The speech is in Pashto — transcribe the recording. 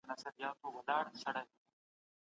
شریعت د بشري غوښتنو ساتنه کوي.